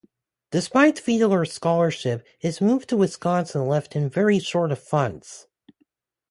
Despite Fiedler's scholarship, his move to Wisconsin left him very short of funds.